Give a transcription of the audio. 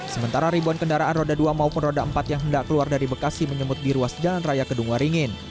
sementara ribuan kendaraan roda dua maupun roda empat yang hendak keluar dari bekasi menyemut di ruas jalan raya kedung waringin